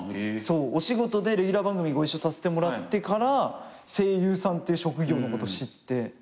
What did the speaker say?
そうお仕事でレギュラー番組ご一緒させてもらってから声優さんって職業のこと知って。